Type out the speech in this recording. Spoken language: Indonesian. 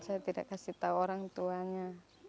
saya tidak kasih tahu orang tuanya